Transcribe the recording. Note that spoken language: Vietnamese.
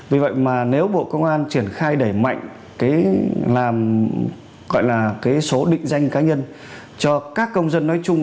vì vậy mà nếu bộ công an triển khai đẩy mạnh cái làm gọi là cái số định danh cá nhân cho các công dân nói chung